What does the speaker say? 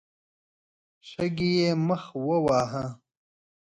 شګې يې مخ وواهه.